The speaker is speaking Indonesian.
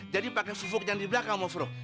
jadi pakai fufuk yang di belakang maaf roh